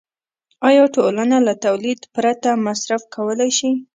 آیا ټولنه له تولید پرته مصرف کولی شي